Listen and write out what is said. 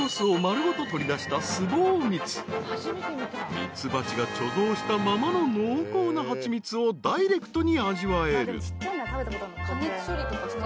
［ミツバチが貯蔵したままの濃厚な蜂蜜をダイレクトに味わえる］